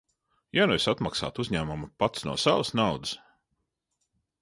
Ja nu es atmaksātu uzņēmumam pats no savas naudas?